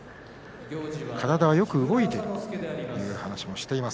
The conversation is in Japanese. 体はよく動いているという話をしています